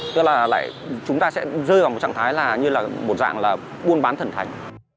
tức là chúng ta sẽ rơi vào một trạng thái là như là một dạng là buôn bán thần thánh